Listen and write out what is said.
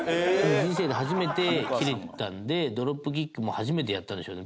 人生で初めてキレたのでドロップキックも初めてやったんでしょうね。